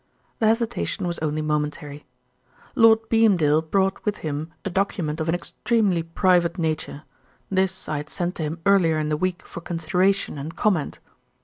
The hesitation was only momentary. "Lord Beamdale brought with him a document of an extremely private nature. This I had sent to him earlier in the week for consideration and comment.